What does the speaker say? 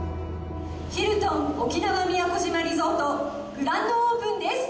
沖縄宮古島リゾートグランドオープンです